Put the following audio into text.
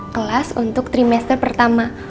kelas untuk trimester pertama